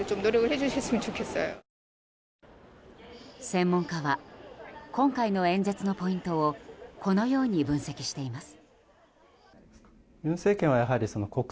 専門家は今回の演説のポイントをこのように分析しています。